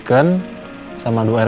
oke kalau gitu